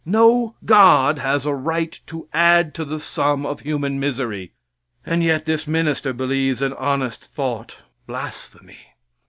No God has a right to add to the sum of human misery. And yet this minister believes an honest thought blasphemy.